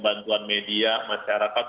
bantuan media masyarakat